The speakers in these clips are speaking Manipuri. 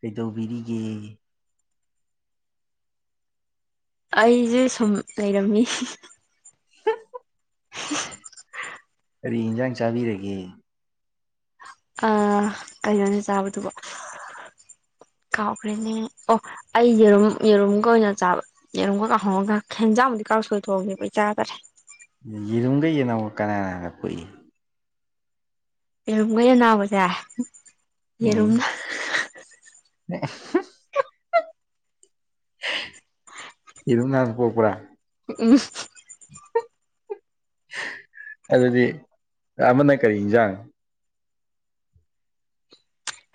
ꯀꯩꯗꯧꯕꯤꯔꯤꯒꯦ ꯑꯩꯖꯦ ꯁꯨꯝ ꯂꯩꯔꯝꯃꯤ [unintelligible] [inaudible] ꯀꯔꯤ ꯏꯟꯖꯥꯡ ꯆꯥꯕꯤꯔꯒꯦ ꯑꯥ ꯀꯩꯅꯣꯅꯦ ꯆꯥꯕꯗꯨꯕꯣ ꯀꯥꯎꯒ꯭ꯔꯦꯅꯦ ꯑꯣ ꯑꯩ ꯌꯦꯔꯨꯝ ꯌꯦꯔꯨꯝꯒ ꯑꯣꯏꯅ ꯆꯥꯕ ꯌꯦꯔꯨꯝꯒ ꯀꯥꯡꯉꯧꯒ ꯍꯦꯟꯖꯥꯡꯕꯨꯗꯤ ꯀꯥꯡꯁꯣꯏ ꯊꯣꯡꯉꯦꯕꯥ ꯑꯩꯩ ꯆꯗꯔꯦ ꯌꯦꯔꯨꯝꯒ ꯌꯦꯅꯥꯎꯒ ꯀꯅꯥꯅ ꯍꯥꯟꯅ ꯄꯣꯛꯏ ꯌꯦꯔꯨꯝꯒ ꯌꯦꯅꯥꯎꯒꯖꯦ ꯎꯝ ꯌꯦꯔꯨꯝꯅ [unintelligible] ꯌꯦꯔꯨꯝꯅ ꯍꯥꯟꯅ ꯄꯣꯛꯄ꯭ꯔꯥ ꯎꯝ ꯑꯗꯨꯗꯤ ꯑꯃꯅ ꯀꯔꯤ ꯏꯟꯖꯥꯡ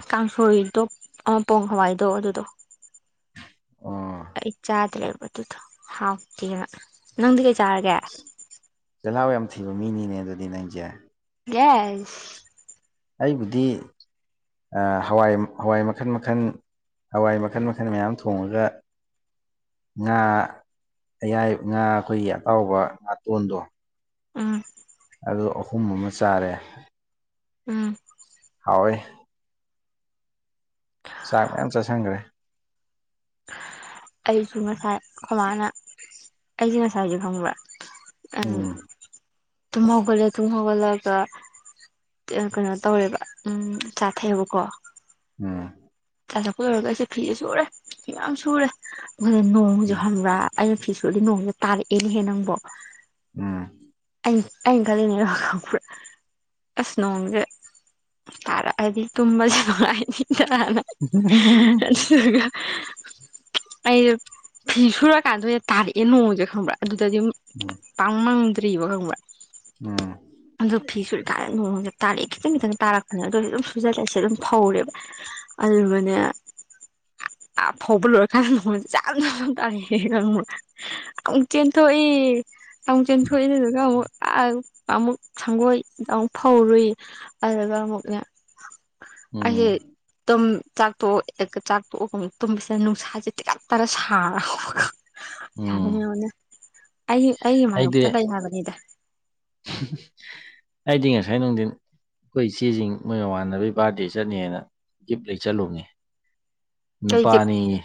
ꯀꯥꯡꯁꯣꯏꯗꯣ ꯑ ꯄꯣꯡ ꯍꯋꯥꯏꯗꯣ ꯑꯗꯨꯗꯣ ꯑꯣ ꯑꯩ ꯆꯥꯗ꯭ꯔꯦꯕꯥ ꯑꯗꯨꯗꯣ ꯍꯥꯎꯇꯦꯅ ꯅꯪꯗꯤ ꯀꯩ ꯆꯥꯔꯒꯦ ꯆꯤꯜꯍꯥꯎ ꯌꯥꯝ ꯊꯤꯕ ꯃꯤꯅꯤꯅꯦ ꯑꯗꯨꯗꯤ ꯅꯪꯖꯦ ꯌꯦꯁ ꯑꯩꯕꯨꯗꯤ ꯑꯥ ꯍꯋꯥꯏ ꯍꯋꯥꯏ ꯃꯈꯟ ꯃꯈꯟ ꯍꯋꯥꯏ ꯃꯈꯟ ꯃꯈꯟ ꯃꯌꯥꯝ ꯊꯣꯡꯉꯥꯒ ꯉꯥ ꯑꯌꯥꯏ ꯉꯥ ꯑꯈꯣꯏꯒꯤ ꯑꯇꯥꯎꯕ ꯉꯥꯇꯣꯟꯗꯣ ꯎꯝ ꯑꯗꯨ ꯑꯍꯨꯝ ꯑꯃ ꯆꯥꯔꯦ ꯎꯝ ꯍꯥꯎꯋꯦ ꯆꯥꯛ ꯃꯌꯥꯝ ꯆꯥꯁꯟꯒꯔꯦ ꯑꯩꯖꯨ ꯉꯁꯥꯏ ꯑꯈꯣꯏ ꯃꯥꯅ ꯑꯩꯖꯦ ꯉꯁꯥꯏꯖꯦ ꯈꯪꯕ꯭ꯔꯥ ꯑꯪ ꯎꯝ ꯇꯨꯝ ꯍꯧꯒꯠꯂꯦ ꯇꯨꯝ ꯍꯧꯒꯠꯂꯒ ꯑꯦ ꯀꯩꯅꯣ ꯇꯧꯔꯦꯕ ꯎꯝ ꯆꯥ ꯊꯛꯑꯦꯕꯀꯣ ꯎꯝ ꯆꯥ ꯊꯛꯄ ꯂꯣꯏꯔꯒ ꯑꯩꯁꯦ ꯐꯤꯁꯦ ꯁꯨꯔꯦ ꯐꯤ ꯃꯌꯥꯝ ꯁꯨꯔꯦ [unintelligible] ꯅꯣꯡꯖꯦ ꯎꯝ ꯈꯪꯕ꯭ꯔꯥ ꯑꯩꯅ ꯐꯤ ꯁꯨꯔꯗꯤ ꯅꯣꯡꯖꯦ ꯇꯥꯔꯛꯑꯦꯅꯦꯍꯦ ꯅꯪꯕꯣ ꯎꯝ ꯑꯩ ꯑꯩꯅ ꯈꯜꯂꯤꯅꯦꯕ [unintelligible] ꯈꯪꯕ꯭ꯔꯥ ꯑꯁ ꯅꯣꯡꯖꯦ ꯇꯥꯔꯛꯑꯗꯤ ꯇꯨꯝꯕꯖꯨ ꯅꯨꯡꯉꯥꯏꯅꯤꯗꯥꯅ [unintelligible] [unintelligible] ꯑꯩꯗꯣ ꯐꯤ ꯁꯨꯔꯀꯥꯟꯗ ꯑꯣꯏꯅ ꯇꯥꯔꯛꯑꯦ ꯅꯣꯡꯖꯦ ꯈꯪꯕ꯭ꯔꯥ ꯑꯗꯨꯗꯗꯤ [unintelligible] ꯄꯥꯛ ꯃꯪꯗ꯭ꯔꯤꯕ ꯈꯪꯕ꯭ꯔꯥ ꯎꯝ ꯑꯗꯨ ꯐꯤ ꯁꯨꯔꯤꯀꯥꯟꯗ ꯅꯣꯡꯖꯦ ꯇꯥꯔꯛꯑꯦ ꯈꯤꯇꯪ ꯈꯤꯇꯪ ꯇꯥꯔꯛꯄꯅꯦ ꯑꯗꯨꯑꯣꯏꯖꯨ ꯑꯗꯨꯝ ꯁꯨꯖꯜꯂꯦ ꯑꯩꯁꯦ ꯑꯗꯨꯝ ꯐꯧꯔꯦꯕ ꯑꯗꯨꯒꯅꯦ ꯑꯥ ꯐꯩꯕ ꯂꯣꯏꯔ ꯀꯥꯟꯗ ꯅꯣꯡꯖꯦ ꯖꯝ ꯂꯥꯎꯅ ꯇꯥꯔꯛꯑꯦ ꯈꯪꯕ꯭ꯔꯥ ꯑꯃꯨꯛ ꯆꯦꯟꯊꯣꯛꯏ ꯑꯃꯨꯛ ꯆꯦꯟ ꯍꯣꯏ ꯑꯗꯨꯗꯨꯒ ꯑꯃꯨꯛ ꯑꯥ ꯑꯃꯨꯛ ꯁꯪꯒꯣꯏ ꯗ ꯑꯃꯨꯛ ꯐꯧꯔꯨꯏ ꯑꯗꯨꯨꯗꯨꯒ ꯑꯃꯨꯛꯅꯦ ꯑꯩ ꯎꯝ ꯨꯇꯨꯝ ꯆꯥꯛꯇꯣꯛꯑꯦꯒ ꯆꯥꯛ ꯇꯣꯛꯑꯒ ꯇꯨꯝꯕꯁꯤꯗ ꯅꯨꯡꯁꯥꯁꯦ ꯇꯤꯈꯠꯇꯅ ꯁꯥꯔꯕ [unintelligible] ꯎꯝ [unintelligible] ꯑꯩ ꯑꯩꯒꯤ ꯃꯥꯏꯌꯣꯛꯇ ꯂꯩ ꯍꯥꯏꯕꯅꯤꯗ [unintelligible] ꯑꯩꯥꯗꯤ ꯉꯁꯥꯏ ꯅꯨꯡꯗꯤꯜ ꯑꯈꯣꯏ ꯏꯆꯦꯖꯤꯡ ꯃꯣꯏ ꯃꯃꯥꯟꯅꯕꯩ ꯕꯥ꯭ꯔꯗꯦ ꯆꯠꯅꯦꯅ ꯒꯤꯞ ꯂꯩ ꯆꯠꯂꯨꯝꯅꯦ ꯀꯩꯒꯤ ꯅꯨꯄꯥꯅꯦꯌꯦ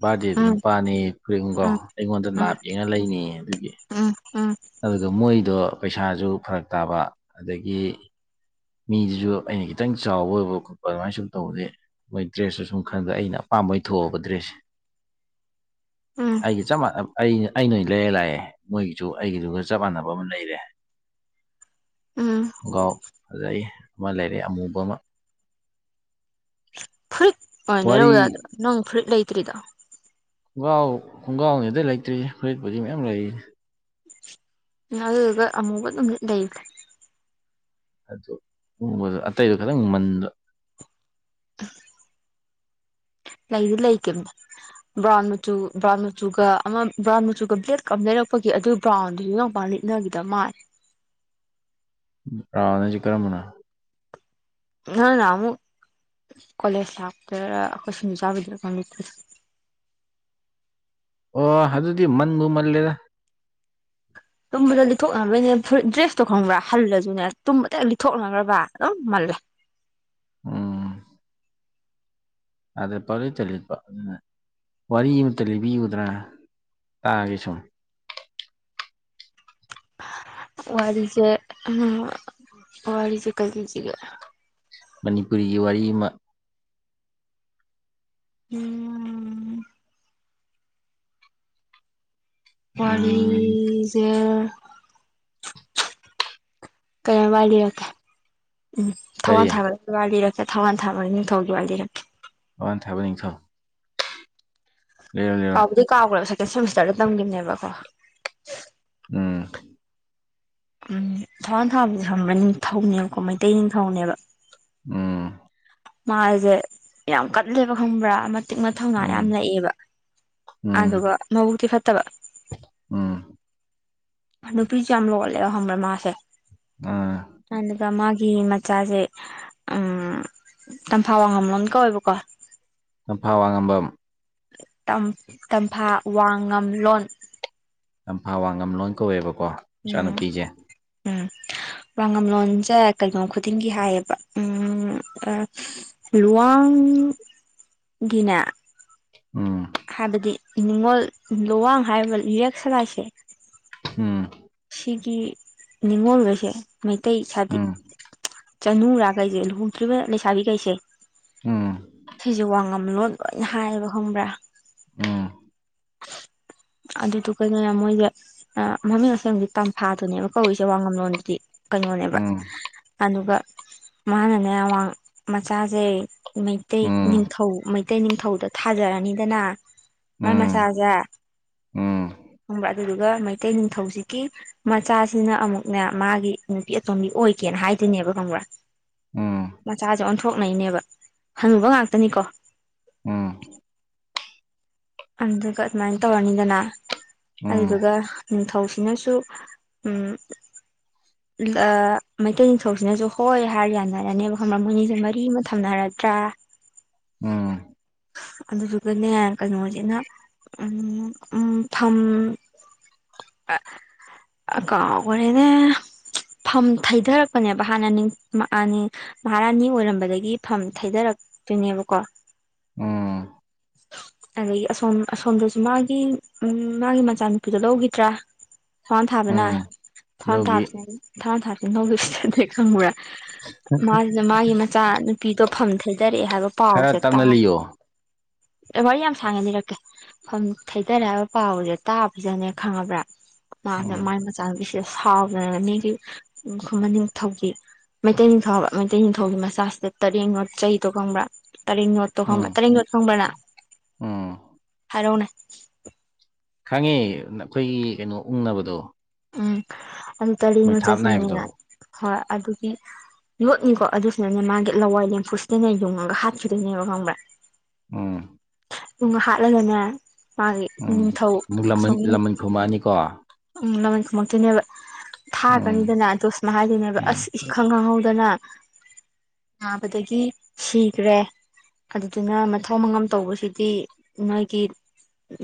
ꯕꯥꯔꯗꯦꯗꯨ ꯎꯝ ꯅꯨꯄꯥꯅꯦꯌꯦ ꯀ꯭ꯔꯤꯡꯒꯣ ꯎꯝ ꯑꯩꯉꯣꯟꯗ ꯎꯝ ꯅꯥꯞ ꯌꯦꯡꯉ ꯂꯩꯅꯦꯌꯦ ꯑꯗꯨꯒꯤ ꯎꯝ ꯎꯝ ꯑꯗꯨꯗꯣ ꯃꯣꯏꯗꯣ ꯄꯩꯁꯥꯖꯨ ꯐꯔꯛ ꯇꯥꯕ ꯑꯗꯒꯤ ꯃꯤꯖꯨ ꯑꯩꯅ ꯈꯤꯇꯪ ꯆꯥꯎꯕ ꯑꯣꯏꯕ ꯈꯣꯠꯄ ꯑꯗꯨꯃꯥꯏ ꯁꯨꯝ ꯇꯧꯕꯒꯤ ꯃꯣꯏ ꯗ꯭ꯔꯦꯁꯁꯨ ꯁꯨꯝ ꯈꯟꯕꯗ ꯑꯩꯅ ꯑꯄꯥꯝꯕ ꯑꯣꯏꯅ ꯊꯣꯛꯑꯕ ꯗ꯭ꯔꯦꯁꯁꯤ ꯎꯝ ꯑꯩꯒ ꯆꯞ ꯃꯥ ꯑ ꯑꯩꯅ ꯑꯩꯅ ꯑꯣꯏꯅ ꯂꯩꯔ ꯂꯥꯛꯑꯦ ꯃꯣꯏꯒꯤꯖꯨ ꯑꯩꯒꯤꯗꯨꯒ ꯆꯞ ꯃꯥꯟꯅꯕ ꯑꯃ ꯂꯩꯔꯦ ꯎꯝ ꯒꯨꯒꯥꯎ ꯑꯗꯨꯗꯩ ꯑꯃ ꯂꯩꯔꯛꯑꯦ ꯑꯃꯨꯕ ꯑꯃꯥ ꯐꯨꯔꯤꯠ ꯑꯣꯏꯅ ꯋꯥꯔꯤ ꯂꯩꯔꯛꯑꯧ ꯌꯥꯗ꯭ꯔꯣ ꯅꯪ ꯐꯨꯔꯤꯠ ꯂꯩꯇ꯭ꯔꯤꯗꯣ ꯈꯣꯡꯒꯥꯎ ꯈꯣꯡꯒꯥꯎꯅꯤꯗ ꯂꯩꯇ꯭ꯔꯤꯖꯦ ꯐꯨꯔꯤꯠꯄꯨꯗꯤ ꯃꯌꯥꯝ ꯂꯩꯔꯤ ꯑꯗꯨꯗꯨꯒ ꯑꯃꯨꯕ ꯑꯗꯨꯝ ꯂꯤꯠ ꯂꯩ [unintelligible] ꯑꯗꯨ ꯑꯃꯨꯕꯗꯣ ꯑꯇꯩꯗꯣ ꯈꯇꯪ ꯃꯟꯕ [unintelligible] ꯂꯩꯗꯤ ꯂꯩꯒꯤꯝꯅꯤꯗ ꯕ꯭ꯔꯥꯎꯟ ꯃꯆꯨ ꯕ꯭ꯔꯥꯎꯟ ꯃꯆꯨꯒ ꯑꯃ ꯕ꯭ꯔꯥꯎꯟ ꯃꯆꯨꯒ ꯕ꯭ꯂꯦꯛꯀ ꯑꯃ ꯂꯩꯔꯛꯄꯒꯤ ꯑꯗꯨ ꯕ꯭ꯔꯥꯎꯟꯗꯨ ꯅꯪ ꯄꯥꯛꯅ ꯂꯤꯠꯅꯒꯤꯗꯕ ꯃꯥꯜ ꯕ꯭ꯔꯥꯎꯟ ꯍꯥꯏꯖꯦ ꯀꯔꯝꯕꯅꯣ ꯅꯪ ꯅꯍꯥꯟꯃꯨꯛ ꯀꯣꯂꯦꯖ ꯂꯥꯛꯄꯗꯔꯥ ꯑꯈꯣꯏ ꯁꯤꯡꯖꯨ ꯆꯥꯕꯗꯨꯏꯔꯥ ꯀꯩꯅꯣ ꯂꯤꯠꯄꯗꯣ ꯑꯣ ꯑꯗꯨꯗꯤ ꯃꯟꯕꯨ ꯃꯟꯂꯦꯗ ꯇꯨꯝꯕꯗ ꯂꯤꯊꯣꯛꯅꯕꯩꯅꯦ ꯐꯨꯔꯤꯠ ꯗ꯭ꯔꯦꯁꯇꯣ ꯈꯪꯕ꯭ꯔꯥ ꯍꯜꯂꯖꯨꯅꯦ ꯇꯨꯝꯕꯗ ꯍꯦꯛ ꯂꯤꯠꯊꯣꯛꯅꯈ꯭ꯔꯕ ꯑꯗꯨꯝ ꯃꯜꯂꯦ ꯎꯝ ꯑꯗ ꯄꯡꯂꯤꯠꯇ ꯂꯤꯠꯄ [unintelligible] ꯋꯥꯔꯤ ꯑꯝꯇ ꯂꯤꯕꯤꯌꯨꯗꯅ ꯇꯥꯒꯦ ꯁꯨꯝ ꯋꯥꯔꯤꯖꯦ [unintelligible] ꯋꯥꯔꯤꯖꯦ ꯀꯩ ꯂꯤꯖꯤꯒꯦ ꯃꯅꯤꯄꯨꯔꯤꯒꯤ ꯋꯥꯔꯤ ꯑꯃ ꯎꯝ ꯎꯝ ꯋꯥꯔꯤꯖꯦ [unintelligible] ꯂꯤꯔꯛꯀꯦ ꯎꯝ ꯊꯋꯥꯟ ꯀꯔꯤ ꯊꯥꯕ ꯋꯥꯔꯤ ꯂꯤꯔꯛꯀꯦ ꯊꯧꯋꯥꯟ ꯊꯥꯕ ꯅꯤꯡꯊꯧꯒꯤ ꯋꯥꯔꯤ ꯂꯤꯔꯛꯀꯦ ꯊꯧꯋꯥꯟ ꯊꯥꯕ ꯅꯤꯡꯊꯧ ꯂꯤꯔꯣ ꯂꯤꯔꯣ ꯀꯥꯎꯕꯨꯗꯤ ꯀꯥꯎꯒ꯭ꯔꯦꯕ ꯁꯦꯀꯦꯟ ꯁꯦꯃꯤꯁꯇꯔꯗ ꯇꯝꯒꯤꯝꯅꯦꯕꯀꯣ ꯎꯝ ꯎꯝ ꯊꯧꯋꯥꯟ ꯊꯥꯕꯖꯦ ꯈꯪꯕ꯭ꯔ ꯅꯤꯡꯊꯧꯅꯦꯕꯀꯣ ꯃꯩꯇꯩ ꯅꯤꯡꯊꯧꯅꯦꯕ ꯎꯝ ꯃꯥꯖꯦ ꯌꯥꯝ ꯀꯟꯂꯦꯕ ꯈꯪꯕ꯭ꯔ ꯑꯃ ꯃꯇꯤꯛ ꯃꯊꯧꯅꯥ ꯎꯝ ꯌꯥꯝ ꯂꯩꯕ ꯎꯝ ꯑꯗꯨꯗꯨꯒ ꯃꯕꯨꯛꯇꯤ ꯐꯠꯇꯕ ꯎꯝ ꯅꯨꯄꯤꯁꯨ ꯌꯥꯝ ꯂꯣꯜꯂꯦꯕ ꯈꯪꯕ꯭ꯔ ꯃꯥꯁꯦ ꯑꯥ ꯑꯗꯨꯒ ꯃꯥꯒꯤ ꯃꯆꯥꯖꯦ ꯎꯝ ꯇꯝꯐꯥ ꯋꯥꯡꯉꯝꯂꯣꯝ ꯀꯧꯋꯦꯕꯀꯣ ꯇꯝꯐꯥ ꯋꯥꯡꯉꯝꯕꯝ ꯇꯝ ꯇꯝꯐꯥ ꯋꯥꯡꯉꯝꯂꯣꯟ ꯇꯝꯐꯥ ꯋꯥꯡꯉꯝꯂꯣꯟ ꯀꯧꯋꯦꯕꯀꯣ ꯎꯝ ꯃꯆꯥꯅꯨꯄꯤꯁꯦ ꯎꯝ ꯋꯥꯉꯝꯂꯣꯟꯖꯦ ꯀꯩꯅꯣ ꯈꯨꯗꯤꯡꯒꯤ ꯍꯥꯏꯌꯦꯕ ꯎꯝ ꯂꯨꯋꯥꯡꯒꯤꯅꯦ ꯎꯝ ꯍꯥꯏꯕꯗꯤ ꯅꯤꯡꯉꯣꯜ ꯂꯨꯋꯥꯡ ꯍꯥꯏꯔꯤꯕ ꯌꯦꯛ ꯁꯂꯥꯏꯁꯦ ꯎꯝ ꯁꯤꯒꯤ ꯅꯤꯡꯉꯣꯜꯒꯩꯁꯦ ꯃꯩꯇꯩ ꯍꯥꯏꯗꯤ ꯎꯝ [unintelligible] ꯂꯨꯨꯍꯣꯡꯗ꯭ꯔꯤꯕ ꯂꯩꯁꯥꯕꯤꯒꯩꯁꯦ ꯎꯝ ꯁꯤꯖꯦ ꯋꯥꯡꯉꯝꯂꯣꯟ ꯂꯣꯏꯅ ꯍꯥꯏꯌꯦꯕ ꯈꯪꯕ꯭ꯔ [inaudible] ꯑꯗꯨꯗꯨꯒꯅꯦ ꯃꯣꯏꯖꯦ ꯑ‌ ꯃꯃꯤꯡ ꯑꯁꯦꯡꯕꯗꯤ ꯇꯝꯐꯥꯗꯨꯅꯦꯕ ꯀꯧꯔꯤꯁꯦ ꯋꯥꯉꯝꯂꯣꯟꯗꯨꯗꯤ ꯀꯩꯅꯣꯅꯦꯕ ꯎꯝ ꯑꯗꯨꯒ ꯃꯥꯟꯅꯅꯦ ꯋꯥꯡ ꯃꯆꯥꯖꯦ ꯃꯩꯇꯩ ꯎꯝ ꯅꯤꯡꯊꯧ ꯃꯩꯇꯩ ꯅꯤꯡꯊꯧꯗ ꯊꯥꯖꯔꯅꯤꯗꯅ ꯃꯥꯏ ꯎꯝ ꯃꯆꯥꯖꯦ ꯎꯝ ꯈꯪꯕ꯭ꯔ ꯑꯗꯨꯗꯨꯒ ꯃꯩꯇꯩ ꯅꯤꯡꯊꯧꯁꯤꯒꯤ ꯃꯆꯥꯁꯤꯅ ꯑꯃꯨꯛꯅꯦ ꯃꯥꯒꯤ ꯅꯨꯄꯤ ꯑꯇꫭꯝꯕꯤ ꯑꯣꯏꯒꯦꯅ ꯍꯥꯏ ꯗꫭꯏꯅꯦꯕ ꯈꯪꯕ꯭ꯔ ꯎꯝ ꯎꯝ ꯃꯆꯥꯖꯦ ꯑꯣꯟꯊꯣꯛꯅꯩꯅꯦꯕ ꯍꯅꯨꯕ ꯉꯥꯛꯇꯅꯤꯀꯣ ꯎꯝ ꯑꯗꯨꯗꯨꯒ ꯑꯗꯨꯝꯃꯥꯏꯅ ꯇꯧꯔꯅꯤꯗꯅ ꯑꯗꯨꯗꯨꯒ ꯅꯤꯡꯊꯧꯁꯤꯅꯁꯨ ꯎꯝ [inaudible] ꯑ‌ ꯃꯩꯇꯩ ꯅꯤꯡꯊꯧꯁꯤꯅꯁꯨ ꯍꯣꯏ ꯍꯥꯏꯔ ꯌꯥꯅꯔꯅꯦꯕ ꯈꯪꯕ꯭ꯔ ꯃꯣꯏꯅꯤꯁꯦ ꯃꯔꯤ ꯑꯃ ꯊꯝꯅꯔꯗ꯭ꯔ ꯎꯝ ꯑꯗꯨꯗꯨꯒꯅꯦ ꯀꯩꯅꯣ ꯑꯩꯅ ꯎꯝ ꯎ ꯊꯝ ꯑ ꯑ ꯀꯥꯎꯒꯔꯦꯅꯦ ꯐꯝ ꯊꯩꯊꯔꯛꯄꯅꯦꯕ ꯍꯥꯟꯅ ꯅꯤꯡ [unintelligible] ꯃꯍꯥꯔꯥꯅꯤ ꯑꯣꯏꯔꯝꯕꯗꯒꯤ ꯐꯝ ꯊꯩꯗꯔꯛꯇꯣꯏꯅꯦꯕꯀꯣ ꯎꯝ ꯑꯗꯒꯤ ꯑꯁꯣꯝ ꯑꯁꯣꯝꯗꯁꯨ ꯃꯥꯒꯤ ꯎꯝ ꯃꯥꯒꯤ ꯃꯆꯥꯅꯨꯄꯤꯗꯣ ꯂꯧꯒꯤꯗ꯭ꯔꯥ ꯊꯋꯥꯥꯟ ꯊꯥꯕꯅ ꯎꯝ ꯊꯋꯥꯟ ꯂꯧꯒꯤ ꯊꯥꯕꯁꯤ ꯊꯋꯥꯟꯁꯤꯅꯤ ꯂꯧꯗꯣꯏꯁꯦ ꯈꯪꯕꯔ ꯃꯥꯖꯤꯅ ꯃꯥꯒꯤ ꯃꯆꯥ ꯅꯨꯄꯤꯗꯣ ꯐꯝꯊꯩꯗꯔꯛꯑꯦ ꯍꯥꯏꯕ ꯈꯔ ꯄꯥꯎꯁꯦ ꯇ ꯇꯞꯅ ꯂꯤꯌꯣ [unintelligible] ꯋꯥꯔꯤ ꯌꯥꯝ ꯁꯥꯡꯅ ꯂꯤꯔꯛꯀꯦ ꯐꯝ ꯊꯩꯗꯔꯛꯑꯦ ꯍꯥꯏꯕ ꯄꯥꯎꯖꯦ ꯇꯥꯕꯖꯅꯦ ꯈꯪꯉꯕ꯭ꯔꯥ ꯃꯥꯅ ꯎꯝ ꯃꯥꯏ ꯃꯆꯥꯅꯨꯄꯤꯁꯤꯗ ꯁꯥꯎꯗꯅ ꯃꯤꯒꯤ ꯎꯝ ꯈꯨꯃꯟ ꯅꯤꯡꯊꯧꯒꯤ ꯃꯩꯇꯩ ꯅꯤꯡꯊꯧ ꯃꯩꯇꯩ ꯅꯤꯡꯊꯧꯒꯤ ꯃꯆꯥꯁꯤꯗ ꯇꯔꯦꯡꯌꯣꯠ ꯆꯩꯗꯣ ꯈꯪꯕ꯭ꯔꯥ ꯇꯔꯦꯡ ꯌꯣꯠꯇꯣ ꯈꯪꯕ꯭ꯔ ꯎꯝ ꯇꯔꯦꯡ ꯌꯣꯠ ꯈꯪꯕ꯭ꯔ ꯅꯪ ꯎꯝ ꯍꯥꯏꯔꯛꯎꯅꯦ ꯈꯪꯉꯦ ꯑꯩꯈꯣꯏꯒꯤ ꯀꯩꯅꯣ ꯎꯪꯅꯕꯗꯣ ꯎꯝ ꯑꯗꯨ ꯇꯔꯦꯠ ꯃꯩꯊꯥꯞꯅ ꯍꯥꯏꯕꯗꯣ ꯌꯣꯠꯆꯩꯁꯤꯅ ꯍꯣꯏ ꯑꯗꯨꯒꯤ ꯌꯣꯠꯅꯤꯀꯣ ꯑꯗꯨꯁꯤꯅꯅꯦ ꯃꯥꯒꯤ ꯂꯋꯥꯏ ꯂꯦꯝꯐꯨꯁꯤꯗꯅꯦ ꯌꯨꯡꯉꯒ ꯍꯥꯠꯈꯤꯗꯣꯏꯅꯦꯕ ꯈꯪꯕ꯭ꯔꯥ ꯎꯝ ꯎꯝ ꯍꯥꯠꯂꯒꯅꯦ ꯃꯥꯒꯤ ꯅꯤꯡꯊꯧ ꯑꯁꯣꯝꯒꯤ ꯨꯈꯨꯃ ꯅꯤꯀꯣ ꯎꯝ ꯂꯃꯟ ꯈꯨꯝꯃꯛꯇꯣꯏꯅꯦꯕ ꯎꯝ ꯊꯥꯒ꯭ꯔꯅꯤꯗꯅ ꯑꯗꯣ ꯁꯨꯃꯥꯏꯅ ꯍꯥꯏꯗꯣꯏꯅꯦꯕ ꯎꯝ ꯑꯁ ꯏꯈꯪ ꯈꯪꯍꯧꯗꯅ ꯅꯥꯕꯗꯒꯤ ꯁꯤꯒ꯭ꯔꯦ ꯑꯗꯨꯗꯨꯅ ꯃꯊꯧ ꯃꯉꯝ ꯇꯧꯕꯁꯤꯗꯤ ꯅꯣꯏꯒꯤ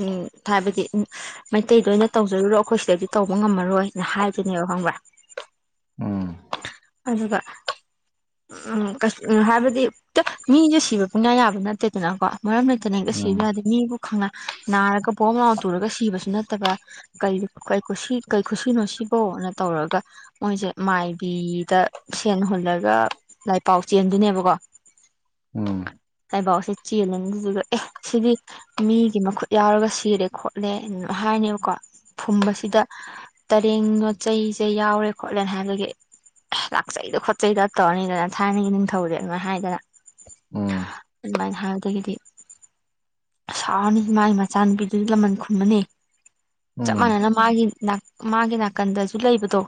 ꯎꯝ ꯍꯥꯏꯕꯗꯤ ꯃꯩꯇꯩꯗ ꯑꯣꯏꯅ ꯇꯧꯖꯔꯨꯔꯣ ꯑꯩꯈꯣꯏ ꯁꯤꯗꯗꯤ ꯇꯧꯕ ꯉꯝꯃꯔꯣꯏꯅ ꯍꯥꯏꯕꯅꯦꯕ ꯈꯪꯕ꯭ꯔꯥ ꯎꯝ ꯑꯗꯨꯒ ꯎꯝ ꯀꯩꯁ ꯍꯥꯏꯕꯗꯤ ꯇ ꯃꯤꯁꯨ ꯁꯤꯕ ꯄꯪꯌꯥ ꯌꯥꯕ ꯅꯠꯇꯦꯗꯅꯀꯣ ꯃꯔꯝ ꯂꯩꯇꯅ ꯍꯦꯛꯇ ꯁꯤꯕ ꯌꯥꯗꯦ ꯃꯤꯕꯨ ꯈꯪꯅ ꯅꯥꯔꯒ ꯕꯣꯝ ꯂꯥꯎ ꯇꯨꯔꯒ ꯁꯤꯕꯁꯨ ꯅꯠꯇꯕ ꯀꯔꯤ ꯀꯩ ꯈꯨꯁꯤ ꯀꯩ ꯈꯨꯁꯤꯅꯣ ꯁꯤꯕꯣꯅ ꯇꯧꯔꯒ ꯃꯣꯏꯁꯦ ꯃꯥꯏꯕꯤꯗ ꯁꯦꯟ ꯍꯨꯜꯂꯒ ꯂꯥꯏ ꯄꯥꯎ ꯆꯦꯟꯗꯨꯏꯅꯦꯕꯀꯣ ꯎꯝ ꯂꯥꯏꯕꯥꯎꯁꯦ ꯆꯦꯜꯂꯅꯤ ꯑꯗꯨꯗꯨꯒ ꯑꯦ ꯁꯤꯗꯤ ꯃꯤꯒꯤ ꯃꯈꯨꯠ ꯌꯥꯎꯔꯒ ꯁꯤꯔꯦ ꯈꯣꯠꯂꯦ ꯑ ꯍꯥꯏꯔꯅꯤꯕꯀꯣ ꯐꯨꯝꯕꯁꯤꯗ ꯇꯔꯦꯡ ꯌꯣꯠꯆꯩꯁꯦ ꯌꯥꯎꯔꯦ ꯈꯣꯠꯂꯦꯅ ꯍꯥꯏꯕꯒꯤ ꯂꯥꯛꯆꯩꯗ ꯈꯣꯠꯆꯩꯗ ꯇꯧꯔꯅꯤꯗꯅ ꯊꯥꯏꯅꯒꯤ ꯅꯤꯡꯊꯧꯗꯤ ꯑꯗꯨꯃꯥꯏ ꯍꯥꯏꯗꯅ ꯎꯝ ꯑꯗꯨꯃꯥꯏ ꯍꯥꯏꯕꯗꯒꯤꯗꯤ ꯁꯥꯎꯔꯅꯤ ꯃꯥꯒꯤ ꯃꯆꯥꯅꯨꯄꯤꯗꯨꯒꯤ ꯂꯃꯟ ꯈꯨꯝꯃꯅꯤ ꯎꯝ ꯆꯞ ꯎꯝ ꯃꯥꯟꯅꯅ ꯃꯥꯒꯤ ꯅꯥ ꯃꯥꯒꯤ ꯅꯥꯀꯟꯗꯁꯨ ꯂꯩꯕꯗꯣ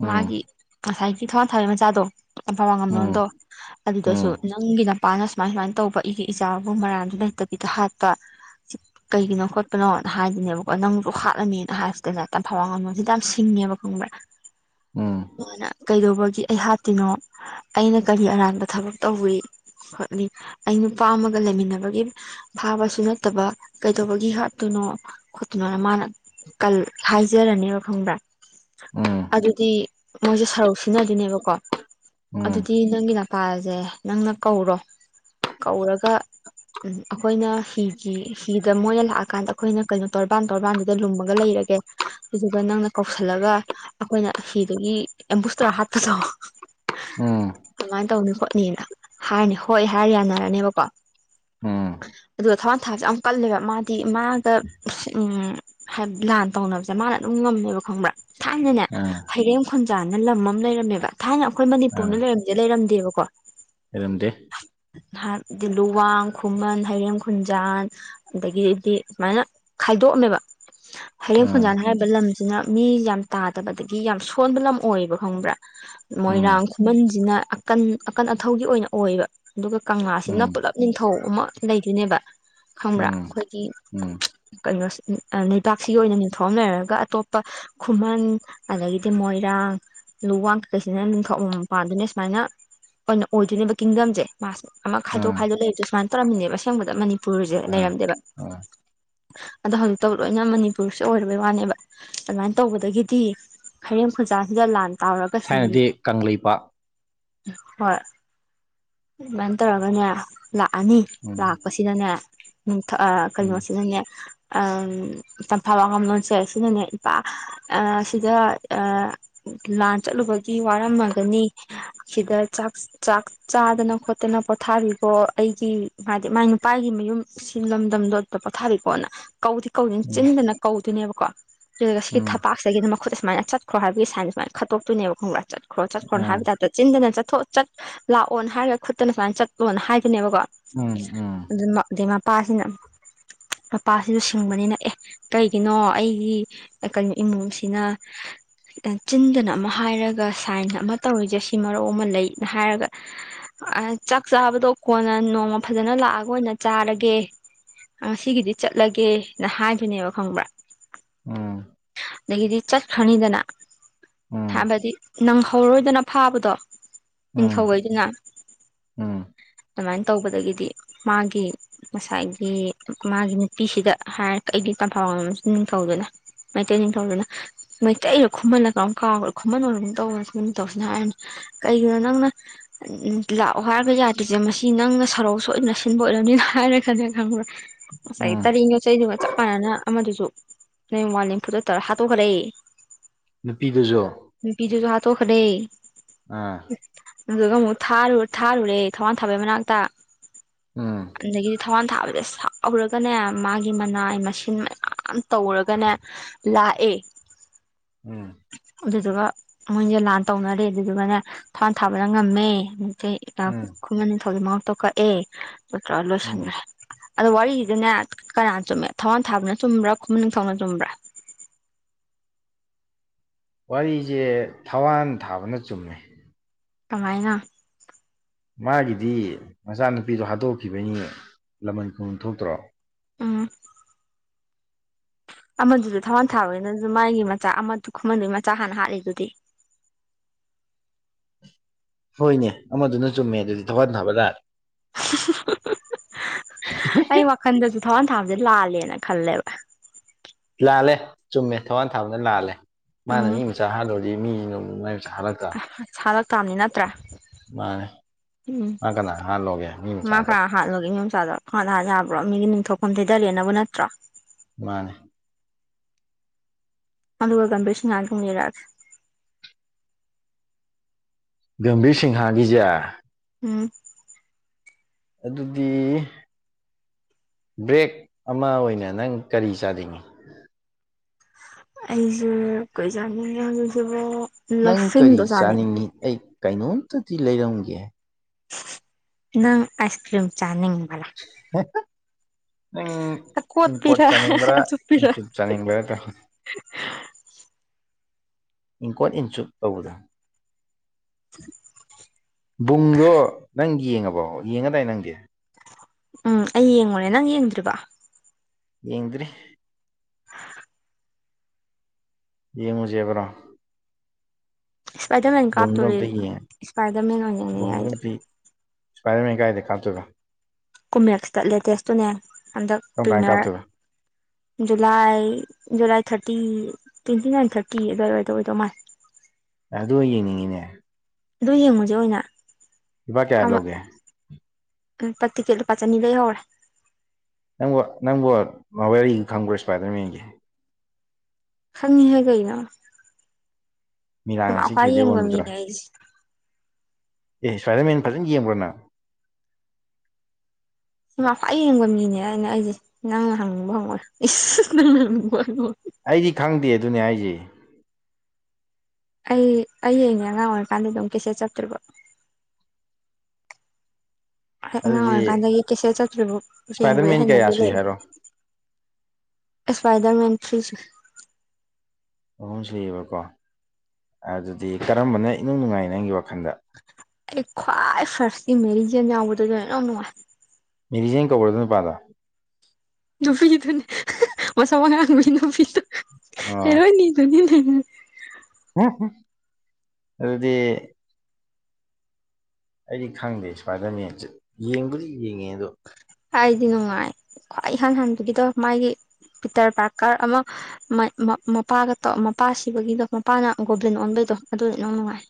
ꯎꯝ ꯃꯥꯒꯤ ꯉꯁꯥꯏꯒꯤ ꯊꯋꯥꯏ ꯊꯥꯕꯒꯤ ꯃꯆꯥꯗꯣ ꯇꯝꯐ ꯋꯥꯡꯉꯝꯂꯣꯟꯗꯣ ꯎꯝ ꯎꯝ ꯑꯗꯨꯗꯁꯨ ꯎꯝ ꯅꯪꯒꯤ ꯅꯄꯥꯅ ꯁꯨꯃꯥꯏ ꯁꯨꯃꯥꯏꯅ ꯇꯧꯕ ꯑꯩꯒꯤ ꯏꯆꯥꯕꯨ ꯃꯔꯥꯟꯖꯨ ꯂꯩꯇꯕꯤꯗ ꯍꯥꯠꯄ ꯁꯤ ꯀꯩꯒꯤꯅꯣ ꯈꯣꯠꯄꯅꯣꯅ ꯍꯥꯏꯗꯨꯏꯅꯦꯕꯀꯣ ꯅꯪ ꯍꯥꯠꯂꯅꯤꯅ ꯍꯥꯏꯕꯁꯤꯗ ꯇꯝꯐꯥ ꯋꯥꯡꯉꯝꯂꯣꯟꯁꯤꯗꯤ ꯌꯥꯝ ꯁꯤꯡꯉꯦꯕ ꯈꯪꯕ꯭ꯔꯥ ꯎꯝ ꯃꯥꯅꯥ ꯀꯩꯗꯧꯕꯒꯤ ꯑꯩ ꯍꯥꯠꯇꯣꯏꯅꯣ ꯑꯩꯅ ꯀꯔꯤ ꯑꯔꯥꯟꯕ ꯊꯕꯛ ꯇꯧꯋꯤ ꯈꯣꯠꯂꯤ ꯑꯩ ꯅꯨꯄꯥ ꯑꯃꯒ ꯂꯩꯃꯤꯟꯅꯕꯒꯤ ꯐꯥꯕꯁꯨ ꯅꯠꯇꯕ ꯀꯩꯗꯧꯕꯒꯤ ꯍꯥꯠꯇꯨꯅꯣ ꯈꯣꯠꯇꯨꯅꯣꯅ ꯃꯥꯅ ꯀꯜ ꯍꯥꯏꯖꯔꯅꯤꯕ ꯈꯪꯕ꯭ꯔꯥ ꯑꯗꯨꯗꯤ ꯃꯣꯏꯁꯦ ꯁꯔꯧ ꯁꯤꯟꯅꯗꯣꯏꯅꯦꯕꯀꯣ ꯎꯝ ꯑꯗꯨꯗꯤ ꯅꯪꯒꯤ ꯅꯄꯥꯁꯦ ꯅꯪꯅ ꯀꯧꯔꯣ ꯀꯧꯔꯒ ꯎꯝ ꯑꯩꯈꯣꯏꯅ ꯍꯤꯒꯤ ꯍꯤꯗ ꯃꯣꯏꯅ ꯂꯥꯛꯑꯀꯥꯟꯗ ꯑꯩꯈꯣꯏꯅ ꯀꯩꯅꯣ ꯇꯣꯔꯕꯥꯟ ꯇꯣꯔꯕꯥꯟꯗ ꯗ ꯂꯨꯝꯃꯒ ꯂꯩꯔꯒꯦ ꯑꯗꯨꯗꯨꯒ ꯅꯪꯅ ꯀꯧꯁꯜꯂꯒ ꯑꯩꯈꯣꯏꯅ ꯍꯤꯗꯨꯒꯤ ꯑꯦꯝꯕꯨꯁꯇꯧꯔ ꯍꯥꯠꯄꯗꯣ ꯎꯝ ꯑꯗꯃꯥꯏ ꯇꯧꯅꯤ ꯈꯣꯠꯅꯤꯅ ꯍꯥꯏꯔꯅꯤ ꯍꯣꯏ ꯍꯥꯏꯔ ꯌꯥꯅꯔꯅꯦꯕꯀꯣ ꯎꯝ ꯑꯗꯨ ꯊꯋꯥꯟ ꯊꯥꯛꯁꯦ ꯌꯥꯝ ꯀꯜꯂꯦꯕ ꯃꯥꯗꯤ ꯃꯥꯒ ꯍꯥꯏꯕꯗꯤ ꯂꯥꯟ ꯇꯧꯅꯕꯁꯦ ꯃꯥꯅ ꯑꯗꯨꯝ ꯉꯝꯃꯦꯕ ꯈꯪꯕ꯭ꯔꯥ ꯊꯥꯏꯅꯅꯦ ꯎꯝ ꯐꯩꯔꯦꯝ ꯈꯨꯟꯖꯥꯟꯅ ꯂꯝ ꯑꯃ ꯂꯩꯔꯝꯃꯦꯕ ꯊꯥꯏꯅ ꯑꯩꯈꯣꯏ ꯃꯅꯤꯄꯨꯔꯅ ꯂꯩꯔꯝꯖꯦ ꯂꯩꯔꯝꯗꯦꯕꯀꯣ ꯑꯩꯔꯝꯗꯦ ꯍꯥꯏꯕꯗꯤ ꯂꯨꯋꯥꯡ ꯈꯨꯃꯟ ꯍꯩꯔꯦꯝ ꯈꯨꯟꯖꯥꯟ ꯑꯗꯒꯤꯑꯗꯤ ꯁꯨꯃꯥꯏꯅ ꯈꯥꯏꯗꯣꯛꯑꯝꯃꯦꯕ ꯍꯩꯔꯦꯝ ꯑꯥ ꯈꯨꯟꯖꯥꯟ ꯍꯥꯏꯔꯤꯕ ꯂꯝꯁꯤꯅ ꯃꯤ ꯌꯥꯝ ꯇꯥꯗꯕꯗꯒꯤ ꯌꯥꯝ ꯁꯣꯟꯕ ꯂꯝ ꯑꯣꯏꯌꯦꯕ ꯈꯪꯕ꯭ꯔꯥ ꯃꯣꯏꯔꯥꯡ ꯎꯝ ꯈꯨꯃꯟꯁꯤꯅ ꯑꯀꯟ ꯑꯀꯟ ꯑꯊꯧꯒꯤ ꯑꯣꯏꯅ ꯑꯣꯏꯕ ꯑꯗꯨꯒ ꯀꯪꯂꯥꯁꯤꯅ ꯎꯝ ꯄꯨꯜꯂꯞ ꯅꯤꯡꯊꯧ ꯑꯃ ꯂꯩꯗꯣꯏꯅꯦꯕ ꯈꯪꯕ꯭ꯔꯥ ꯎꯝ ꯑꯩꯈꯣꯏꯒꯤ ꯎꯝ ꯀꯩꯅꯣꯁꯦ ꯕꯥꯛꯁꯤꯒꯤ ꯑꯣꯏꯅ ꯅꯤꯡꯡꯊꯧ ꯑꯃ ꯂꯩꯔꯒ ꯑꯇꯣꯞꯄ ꯈꯨꯃꯟ ꯑꯗꯒꯤꯗꯤ ꯃꯣꯏꯔꯥꯡ ꯂꯨ ꯋꯥꯡꯊꯛꯀꯩꯁꯤꯅ ꯅꯤꯡꯊꯛ ꯑꯃ ꯃꯝ ꯄꯥꯟꯗꯨꯅꯦ ꯁꯨꯃꯥꯏꯅ ꯑꯣꯏꯅ ꯑꯣꯏꯗꯣꯏꯅꯦꯕ ꯀꯤꯡꯗꯝꯁꯦ ꯃꯥꯁ ꯑꯃ ꯈꯥꯏꯗꯣꯛ ꯎꯝ ꯈꯥꯏꯗꯣꯛ ꯂꯩꯕꯗꯣ ꯁꯨꯃꯥꯏꯅ ꯇꯧꯔꯝꯃꯤꯅꯦꯕ ꯑꯁꯦꯡꯕꯗ ꯃꯅꯤꯄꯨꯔꯁꯦ ꯎꯝ ꯂꯩꯔꯝꯗꯦꯕ ꯎꯝ ꯑꯗ ꯍꯧꯟꯟ ꯇꯧ ꯂꯣꯏꯅ ꯃꯅꯤꯄꯨꯔꯁꯦ ꯑꯣꯏꯔꯕꯩ ꯋꯥꯅꯦꯕ ꯑꯗꯨꯃꯥꯏꯅ ꯇꯧꯕꯗꯒꯤꯗꯤ ꯍꯩꯔꯦꯝ ꯈꯨꯖꯥꯁꯤꯗ ꯂꯥꯟ ꯇꯥꯎꯔꯒꯁꯨꯝ ꯊꯥꯏꯅꯗꯤ ꯀꯪꯂꯩꯄꯥꯛ ꯍꯣꯏ ꯑꯗꯨꯃꯥꯏꯅ ꯇꯧꯔꯒꯅꯦ ꯂꯥꯛꯑꯅꯤ ꯎꯝ ꯂꯥꯛꯄꯁꯤ ꯁꯤꯗꯅꯦ ꯅꯨꯡꯊ ꯑ ꯎꯝ ꯀꯩꯅꯣꯁꯤꯅꯅꯦ ꯎꯝ ꯇꯝꯐꯕ ꯑꯉꯝꯂꯣꯟꯁꯦ ꯁꯤꯅꯅꯦ ꯏꯄꯥ ꯁꯤꯗ ꯂꯥꯟ ꯆꯠꯂꯨꯕꯒꯤ ꯋꯥꯔꯝꯃꯒꯅꯤ ꯁꯤꯗ ꯆꯥꯛ ꯆꯥꯛ ꯆꯥꯗꯅ ꯈꯣꯠꯇꯅ ꯄꯣꯊꯥꯔꯤꯕꯣ ꯑꯩꯒꯤ ꯍꯥꯏꯗꯤ ꯃꯥꯏ ꯅꯨꯄꯥꯒꯤ ꯃꯌꯨꯝ ꯁꯤ ꯂꯝꯗꯝꯗꯣ ꯑꯗꯨꯗ ꯄꯣꯊꯥꯔꯤꯀꯣꯅ ꯀꯧꯕꯗꯤ ꯀꯧꯅꯤ ꯎꯝ ꯆꯤꯟꯗꯅ ꯀꯧꯗꯣꯏꯅꯦꯕꯀꯣ ꯑꯗꯨꯗꯨꯒ ꯁꯤꯒꯤ ꯎꯝ ꯊꯄꯥꯛꯇꯒꯤꯅ ꯃꯈꯨꯠꯅ ꯁꯨꯃꯥꯏꯅ ꯆꯠ ꯈ꯭ꯔꯣ ꯍꯥꯏꯕꯒꯤ ꯁꯥꯏꯟꯖꯦ ꯁꯨꯃꯥꯏꯅ ꯈꯠꯇꯣꯛꯣꯏꯅꯦꯕ ꯈꯪꯕ꯭ꯔ ꯆꯠꯈ꯭ꯔꯣ ꯆꯠꯈ꯭ꯔꯣ ꯑꯥ ꯍꯥꯏꯕꯩ ꯇꯥꯏꯞ ꯆꯤꯟꯗꯅ ꯆꯠꯊꯣ ꯆꯠ ꯂꯥꯛꯑꯣꯅ ꯍꯥꯏꯔꯒ ꯈꯨꯠꯇꯅ ꯁꯨꯃꯥꯏꯅ ꯆꯠꯂꯣꯅ ꯍꯥꯏꯗꯣꯅꯦꯕꯀꯣ ꯎꯝ ꯎꯝ ꯑꯗꯨ ꯑꯗꯩ ꯃꯄꯥꯁꯤꯅ ꯃꯄꯥꯁꯤꯁꯨ ꯁꯤ ꯁꯨꯡꯕꯅꯤꯅ ꯑꯦ ꯀꯩꯒꯤꯅꯣ ꯑꯩꯒꯤ ꯀꯩꯅꯣ ꯏꯃꯣꯝꯁꯤꯅ ꯆꯤꯟꯗꯅ ꯑꯃ ꯍꯥꯏꯔꯒ ꯁꯥꯏꯟ ꯑꯃ ꯇꯧꯔꯤꯁꯦ ꯁꯤ ꯃꯔꯧ ꯑꯃ ꯂꯩꯅ ꯍꯥꯏꯔꯒ ꯑꯥ ꯆꯥꯛ ꯆꯥꯕꯗꯣ ꯀꯣꯟꯅ ꯅꯣꯡꯃ ꯐꯖꯅ ꯂꯥꯛꯑꯒ ꯑꯣꯏꯅ ꯆꯥꯔꯒꯦ ꯉꯁꯤꯒꯤꯗꯤ ꯆꯠꯂꯒꯦꯅ ꯍꯥꯏꯗꯨꯣꯏꯅꯦꯕ ꯈꯪꯕ꯭ꯔꯥ ꯎꯝ ꯑꯗꯒꯤꯗꯤ ꯆꯠꯈ꯭ꯔꯅꯤꯗꯅ ꯎꯝ ꯍꯥꯏꯕꯗꯤ ꯅꯪꯍꯧꯔꯣꯏꯗꯅ ꯐꯥꯕꯗꯣ ꯎꯝ ꯅꯤꯡꯊꯧꯒꯩꯗꯨꯅ ꯎꯝ ꯑꯗꯨꯃꯥꯏꯅ ꯇꯧꯕꯗꯒꯤꯗꯤ ꯃꯥꯒꯤ ꯃꯁꯥꯏꯒꯤ ꯃꯥꯒꯤ ꯅꯨꯄꯤꯁꯤꯗ ꯍꯥꯏꯔ ꯑꯩꯗꯤ [unintelligible] ꯅꯤꯡꯊꯧꯗꯨꯅ ꯃꯩꯇꯩ ꯅꯤꯡꯊꯧꯗꯨꯅ ꯃꯩꯇꯩꯔ ꯈꯨꯨꯝꯃꯜꯂ ꯀꯩꯅꯣꯝ ꯀꯥꯎꯈ꯭ꯔꯣ ꯈꯨꯃꯟ ꯑꯣꯏꯔꯝꯒꯨꯝ ꯇꯧꯕꯅꯤ ꯈꯨꯃꯟ ꯅꯤꯡꯊꯧꯁꯤꯅ ꯍꯥꯏꯔꯅꯤ ꯀꯩꯒꯤꯅꯣ ꯅꯪꯅ ꯂꯥꯛꯑꯣ ꯍꯥꯏꯔꯒ ꯌꯥꯗ꯭ꯔꯤꯁꯦ ꯃꯁꯤ ꯅꯪꯅ ꯁꯔꯧ ꯁꯣꯏꯗꯅ ꯁꯤꯟꯕ ꯑꯣꯏꯔꯅꯤꯅ ꯍꯥꯏꯔꯒꯅꯦ ꯈꯪꯕ꯭ꯔ [inaudible] ꯉꯁꯥꯏꯒꯤ ꯇꯔꯦꯡ ꯌꯣꯠ ꯆꯩꯗꯨꯒ ꯆꯞ ꯃꯥꯟꯅꯅ ꯑꯃꯗꯨꯁꯨ [unintelligible] ꯍꯥꯠꯇꯣꯛꯈ꯭ꯔꯦ ꯅꯨꯄꯤꯗꯨꯖꯨ ꯅꯨꯄꯤꯗꯨꯖꯨ ꯍꯥꯠꯇꯣꯛꯈꯔꯦ ꯑꯥ ꯑꯗꯨꯗ ꯑꯃꯨꯛ ꯊꯥꯔꯨ ꯊꯥꯔꯨꯔꯦ ꯊꯋꯥꯟ ꯊꯥꯕꯩ ꯃꯅꯥꯛꯇ ꯎꯝ ꯑꯗꯒꯤꯗꯤ ꯊꯥꯋꯥꯟ ꯊꯥꯕꯗ ꯁꯥꯎꯔꯒꯅꯦ ꯃꯥꯒꯤ ꯃꯅꯥꯏ ꯃꯁꯤꯟ ꯃꯌꯥꯝ ꯇꯧꯔꯒꯅꯦ ꯂꯥꯑꯦ ꯎꯝ ꯑꯗꯨꯗꯨꯒ ꯃꯣꯏꯅꯤꯖꯦ ꯂꯥꯟ ꯇꯧꯅꯔꯦ ꯑꯗꯨꯗꯨꯒꯅꯦ ꯊꯋꯥꯥꯟ ꯊꯥꯕꯅ ꯉꯝꯃꯦ ꯅꯨꯡꯀꯩ ꯎꯝ [unintelligible] ꯈꯨꯃꯟ ꯅꯤꯡꯊꯧꯖꯦ ꯃꯉꯛꯇꯣ ꯀꯛꯑꯦ ꯑꯗꯨ ꯇꯧꯔ ꯎꯝ ꯂꯣꯏꯁꯟꯒ꯭ꯔꯦ ꯑꯗꯣ ꯋꯥꯔꯤꯒꯤꯗꯤꯅꯦ ꯀꯅꯥ ꯆꯨꯝꯃꯦ ꯊꯧꯋꯥꯟ ꯊꯥꯕꯅ ꯆꯨꯝꯕ꯭ꯔꯥ ꯈꯨꯃꯟ ꯅꯤꯡꯊꯧꯅ ꯆꯨꯝꯕ꯭ꯔꯥ ꯋꯥꯔꯤꯖꯦ ꯊꯋꯥꯟ ꯊꯥꯕꯅ ꯆꯨꯝꯃꯦ ꯀꯃꯥꯏꯅ ꯃꯥꯒꯤꯗꯤ ꯃꯆꯥꯅꯨꯄꯤꯗꯣ ꯍꯥꯠꯇꯣꯛꯈꯤꯕꯩꯅꯤ ꯂꯃꯟ ꯈꯨꯝꯕꯝ ꯊꯣꯛꯇ꯭ꯔꯣ ꯎꯝ ꯑꯃꯗꯨꯖꯨ ꯊꯋꯥꯟ ꯊꯥꯕꯅꯁꯨ ꯃꯥꯥꯏꯒꯤ ꯃꯆꯥ ꯑꯃꯗꯨ ꯈꯨꯃꯟꯗꯨꯒꯤ ꯃꯆꯥ ꯍꯥꯟꯅ ꯍꯥꯠꯂꯤꯗꯨꯗꯤ ꯍꯣꯏꯅꯦ ꯑꯃꯗꯨꯅ ꯆꯨꯝꯃꯦ ꯑꯗꯨꯗꯤ ꯊꯧꯋꯥꯟ ꯊꯥꯕ ꯂꯥꯜꯂꯦ ꯑꯩ ꯋꯥꯈꯟꯗꯁꯨ ꯊꯧꯋꯥꯟ ꯊꯥꯕꯁꯦ ꯂꯥꯜꯂꯦꯅ ꯈꯜꯂꯦꯕ ꯂꯥꯜꯂꯦ ꯆꯨꯝꯃꯦ ꯊꯧꯋꯥꯥꯟ ꯊꯥꯕꯅ ꯂꯥꯜꯂꯦ ꯃꯥꯅ ꯎꯝ ꯃꯤ ꯃꯆꯥ ꯍꯥꯠꯂꯨ ꯗꯤ ꯃꯤꯖꯤꯅ ꯃꯨꯛ ꯃꯥꯢ ꯃꯆꯥ ꯍꯥꯠꯂꯛꯇ ꯁꯥꯂꯛꯇꯥꯕꯅꯤ ꯅꯠꯇ꯭ꯔꯥ ꯃꯥꯟꯅꯦ ꯃꯥ ꯀꯅꯥ ꯍꯥꯠꯂꯣꯒꯦ ꯃꯤ ꯃꯆꯥꯗꯣ ꯍꯥꯠꯂꯣꯒꯦ ꯃꯤꯆꯥꯗꯣ ꯄꯪꯍꯥꯠ ꯍꯥꯠ ꯌꯥꯕ꯭ꯔꯣ ꯃꯤꯒꯤ ꯅꯤꯡꯊꯧꯐꯝ ꯊꯩꯗꯔꯦꯅꯕꯨ ꯅꯠꯇ꯭ꯔꯣ ꯃꯥꯟꯅꯦ ꯑꯗꯨꯒ ꯒꯝꯕꯤꯔ ꯁꯤꯡꯍꯥꯒꯤ ꯑꯃꯨꯛ ꯂꯤꯔꯛꯑꯒꯦ ꯒꯝꯕꯤꯔ ꯁꯤꯡꯍꯥꯒꯤꯖꯦ ꯎꯝ ꯑꯗꯨꯗꯤ ꯕ꯭ꯔꯦꯛ ꯑꯃ ꯑꯣꯏꯅ ꯅꯪ ꯀꯔꯤ ꯆꯥꯅꯤꯡꯉꯤ ꯑꯩꯖꯦ ꯀꯩ ꯆꯥꯅꯤꯡꯉꯤ ꯍꯥꯢꯕꯁꯦꯕꯣ ꯅꯪ ꯀꯔꯤ ꯂꯐꯤꯡꯗꯣ ꯆꯥꯅꯤꯡꯉꯤ ꯑꯩ ꯀꯩꯅꯣꯝꯇꯗꯤ ꯂꯩꯔꯝꯒꯦ ꯅꯪ ꯑꯥꯢꯁ ꯀ꯭ꯔꯤꯝ ꯆꯥꯅꯤꯡꯕꯂꯥ [unintelligible] ꯅꯪ ꯏꯪꯀꯣꯠ ꯑꯀꯣꯠꯄꯤꯔ ꯆꯥꯅꯤꯡꯕ꯭ꯔ ꯑꯆꯨꯞꯄꯤꯔ ꯏꯟꯆꯨꯞ ꯆꯥꯅꯤꯡꯕ꯭ꯔꯗꯣ [unintelligible] ꯏꯪꯀꯣꯠ ꯏꯟꯆꯨꯞ ꯇꯧꯕꯗꯣ ꯕꯨꯡꯗꯣ ꯅꯪ ꯌꯦꯡꯉꯕꯣ ꯌꯦꯡꯉꯗꯥꯏ ꯅꯪꯗꯤ ꯎꯝ ꯑꯩ ꯌꯦꯡꯉꯨꯔꯦ ꯅꯪ ꯌꯦꯡꯗ꯭ꯔꯤꯕꯣ ꯌꯦꯡꯗ꯭ꯔꯤ ꯌꯦꯡꯉꯨꯖꯦꯕ꯭ꯔꯣ ꯏꯁꯄꯥꯏꯗꯔꯃꯦꯟ ꯕꯨꯡꯗꯣ ꯀꯥꯞꯇꯣꯔꯦ ꯑꯝꯇ ꯌꯦꯡ ꯏꯁꯄꯥꯏꯗꯔꯃꯦꯟ ꯑꯣꯏꯅ ꯌꯦꯡꯅꯤꯡꯉꯦ ꯑꯩꯗꯤ ꯕꯨꯡꯗꯣ ꯑꯝꯇ [unintelligible] ꯗꯔꯃꯦꯟ ꯀꯥꯏꯗ ꯀꯥꯞꯇꯣꯏꯕ ꯀꯨꯝꯃꯦꯛꯁꯇ ꯂꯦꯇꯦꯁꯇꯨꯅꯦ ꯍꯟꯗꯛ ꯀꯔꯝ ꯀꯥꯟꯗ ꯄ꯭ꯔꯤꯃꯔ ꯀꯥꯞꯇꯣꯏꯕ July July thirty twenty nine thirty ꯑꯗꯥꯏꯋꯥꯏꯗ ꯑꯣꯏꯗꯧ ꯃꯥꯜꯂꯦ ꯑꯗꯨ ꯑꯣꯏ ꯌꯦꯡꯅꯤꯡꯉꯤꯅꯦ ꯑꯗꯨ ꯌꯦꯡꯉꯨꯖꯦ ꯑꯣꯏꯅ ꯂꯨꯄꯥ ꯀꯌꯥ ꯂꯧꯒꯦ ꯇꯤꯛꯀꯦꯠ ꯂꯨꯄꯥ ꯆꯟꯅꯤꯗꯩ ꯍꯧꯔꯦ ꯅꯪꯕꯨ ꯅꯪꯕꯨ ꯃꯥꯋꯦꯜꯒꯤ ꯈꯪꯕ꯭ꯔꫭ ꯏꯁꯄꯥꯏꯗꯔꯃꯦꯟꯒꯤ ꯈꯪꯉꯤꯍꯦ ꯀꯩꯅꯣ ꯃꯤꯂꯥꯟꯅ [unintelligible] ꯈ꯭ꯋꯥꯏ ꯁꯤꯈꯤꯕꯗꯩ ꯌꯦꯡꯕ ꯑꯣꯟꯕꯗꯨꯔꯥ ꯃꯤꯅꯦ ꯑꯩꯖꯦ ꯑꯦ ꯏꯁꯄꯥꯏꯗꯔꯃꯦꯟ ꯐꯖꯅ ꯌꯦꯡꯕ꯭ꯔ ꯅꯪ ꯁꯤꯃꯥ ꯈ꯭ꯋꯥꯏ ꯌꯦꯡꯕ ꯃꯤꯅꯦ ꯑꯩꯅ ꯑꯩꯖꯦ ꯅꯪꯅ ꯍꯪꯅꯤꯡꯕ ꯍꯪꯉꯣ ꯏꯁ ꯅꯪꯅ ꯍꯪꯅꯤꯡꯕ ꯍꯪꯉꯣ ꯑꯩꯗꯤ ꯈꯪꯗꯦ ꯑꯗꯨꯅꯦ ꯍꯥꯏꯖꯦ ꯑꯩ ꯑꯩ ꯌꯦꯡꯉꯦ ꯑꯉꯥꯡ ꯑꯣꯏꯔꯤꯀꯥꯟꯗ ꯗꯨꯝ ꯀꯦꯁꯦꯠ ꯆꯞꯇ꯭ꯔꯤꯕꯣꯛ ꯍꯦꯛ ꯑꯉꯥꯡ ꯑꯗꯨꯗꯤ ꯑꯣꯏꯔꯤꯀꯥꯟꯗꯒꯤ ꯀꯦꯁꯦꯠ ꯆꯞꯇ꯭ꯔꯤꯕꯣꯛ ꯌꯦꯡꯕꯒꯤ ꯏꯁꯄꯥꯏꯗꯔꯃꯦꯟ ꯀꯌꯥ ꯍꯩꯅꯕꯤ ꯁꯨꯏ ꯂꯩꯔꯑꯦ ꯍꯥꯏꯔꯣ ꯏꯁꯄꯥꯏꯗꯔꯃꯦꯟ ꯊ꯭ꯔꯤꯁꯨ ꯑꯍꯨꯝ ꯁꯨꯏꯌꯦꯕꯀꯣ ꯑꯗꯨꯗꯤ ꯀꯔꯝꯕꯅ ꯏꯅꯨꯡ ꯅꯨꯡꯉꯥꯏ ꯅꯪꯒꯤ ꯋꯥꯈꯟꯗ ꯑꯩ ꯈ꯭ꯋꯥꯏ ꯐꯥꯔꯁꯀꯤ ꯃꯦꯔꯤ ꯖꯦꯟ ꯌꯥꯎꯕꯗꫭ ꯑꯗꯨꯅ ꯏꯅꯨꯡ ꯅꯨꯡꯉꯥꯏ ꯃꯦꯔꯤ ꯖꯦꯟ ꯀꯧꯕ꯭ꯔꫭ ꯑꯗꯨ ꯅꯨꯄꯥꯗꯣ ꯅꯨꯄꯤꯗꯨꯅꯦ [unintelligible] ꯃꯁꯝ ꯑꯉꯥꯡꯕꯤ ꯅꯨꯄꯤꯗꯨ ꯑꯣ ꯍꯦꯔꯣꯟꯅꯤꯗꯨꯅꯤꯅꯦ [unintelligible] ꯑꯗꯨꯗꯤ ꯑꯩꯗꯤ ꯈꯪꯗꯦ ꯏꯁꯄꯥꯏꯗꯔꯃꯦꯟꯖꯦ ꯌꯦꯡꯕꯨꯗꯤ ꯌꯦꯡꯉꯦ ꯑꯗꯨ ꯑꯩꯗꯤ ꯅꯨꯡꯉꯥꯏ ꯈ꯭ꯋꯥꯏ ꯏꯍꯥꯟ ꯍꯥꯟꯕꯒꯤꯗꯣ ꯃꯥꯒꯤ ꯄꯤꯇꯔ ꯄꯥꯔꯀꯔ ꯑꯃ ꯃꯩ ꯃ ꯃꯄꯥꯒ ꯇꯣ ꯃꯄꯥ ꯁꯤꯕꯒꯤꯗꯣ ꯃꯄꯥꯅ ꯒꯣꯕ꯭ꯂꯤꯟ ꯑꯣꯟꯕꯩꯗꯣ ꯑꯗꯨꯅ ꯏꯅꯨꯡ ꯅꯨꯡꯉꯥꯏ